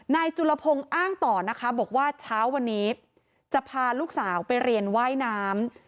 นายจุลพงศ์อ้างต่อนะคะบอกว่าเช้าวันนี้จะพาลูกสาวไปเรียนว่ายน้ำ